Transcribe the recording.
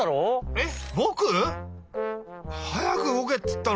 えっ？